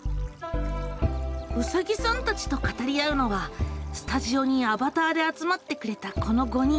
うさぎさんたちと語り合うのはスタジオにアバターで集まってくれたこの５人。